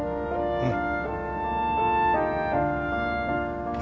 うん。